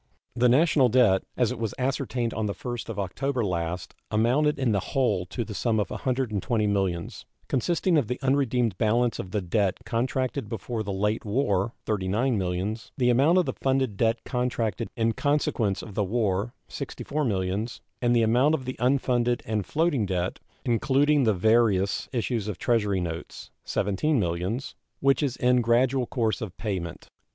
The national debt, as it was ascertained on the 1st of October last, amounted in the whole to the sum of $120 millions, consisting of the unredeemed balance of the debt contracted before the late war ($39 millions), the amount of the funded debt contracted in consequence of the war ($64 millions), and the amount of the unfunded and floating debt, including the various issues of Treasury notes, $17 millions, which is in gradual course of payment.